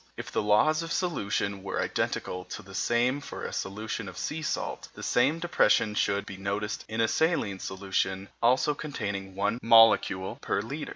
If the laws of solution were identically the same for a solution of sea salt, the same depression should be noticed in a saline solution also containing 1 molecule per litre.